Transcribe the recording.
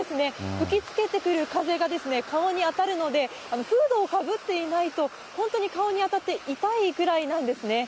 吹きつけてくる風が顔に当たるので、フードをかぶっていないと、本当に顔に当たって痛いくらいなんですね。